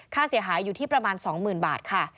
ค่าเสียหายอยู่ที่ประมาณ๒๐๐๐บาทค่ะ